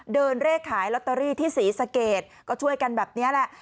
เลขขายลอตเตอรี่ที่ศรีสะเกดก็ช่วยกันแบบนี้แหละ